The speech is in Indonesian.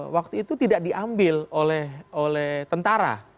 waktu itu tidak diambil oleh tentara